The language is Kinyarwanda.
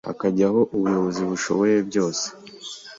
hakajyaho ubuyobozi bushoboye byose